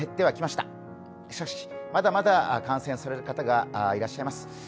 しかし、まだまだ感染する方がいらっしゃいます。